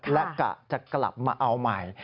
และกะจะกลับมาเอาใหม่